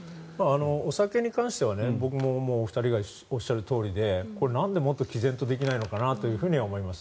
お酒に関してはお二人がおっしゃるとおりでこれ、何でもっときぜんとできないのかなと思います。